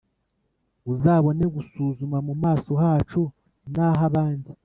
uzabone gusuzuma mu maso hacu n’ah’abandi